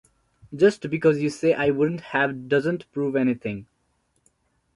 Just because you say I wouldn't have doesn't prove anything.